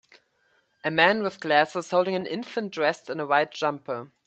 A man with glasses holding an infant dressed in a white jumper.